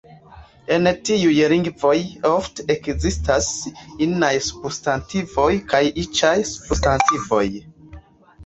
En tiuj lingvoj, ofte ekzistas inaj substantivoj kaj iĉaj substantivoj.